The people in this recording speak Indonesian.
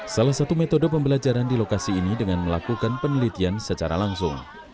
salah satu metode pembelajaran di lokasi ini dengan melakukan penelitian secara langsung